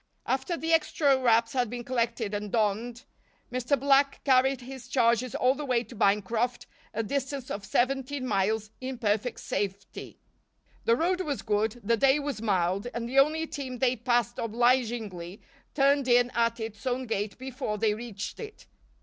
After the extra wraps had been collected and donned, Mr. Black carried his charges all the way to Bancroft, a distance of seventeen miles, in perfect safety. The road was good, the day was mild and the only team they passed obligingly turned in at its own gate before they reached it.